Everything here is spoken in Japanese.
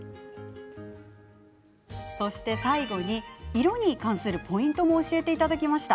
最後に、色に関するポイントも教えてもらいました。